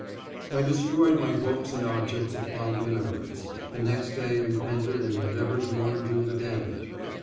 I destroyed my books and objects of fond remembrance, the next day repented and endeavored to undo the damage.